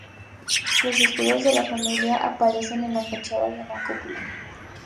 Los escudos de la familia aparecen en la fachada y en la cúpula.